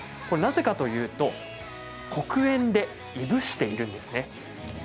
これ、なぜかというと黒煙でいぶしているんですね。